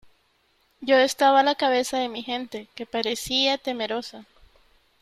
yo estaba a la cabeza de mi gente , que parecía temerosa ,